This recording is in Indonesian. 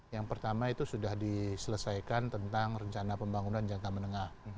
yang pertama itu sudah diselesaikan tentang rencana pembangunan jangka menengah